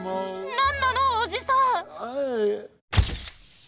なんなのおじさん？